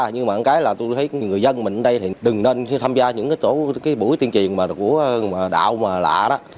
nhưng mà một cái là tôi thấy người dân mình ở đây thì đừng nên tham gia những buổi tuyên truyền của đạo lạ đó